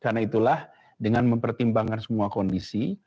karena itulah dengan mempertimbangkan semua kondisi